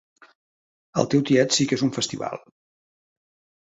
El teu tiet sí que és un festival.